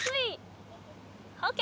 ＯＫ。